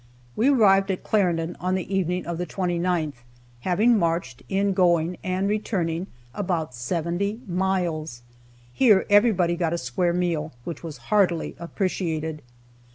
We arrived at Clarendon on the evening of the 29th having marched, in going and returning, about seventy miles. Here everybody got a square meal, which was heartily appreciated.